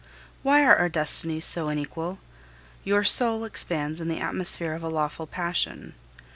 Why are our destinies so unequal? Your soul expands in the atmosphere of a lawful passion.